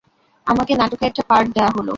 আমাকে নাটকে একটা পার্ট দেয়া হল।